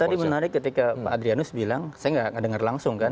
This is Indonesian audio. tadi menarik ketika pak adrianus bilang saya nggak dengar langsung kan